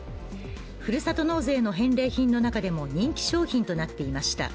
ふるさと納税の返礼品の中でも人気商品となっていました、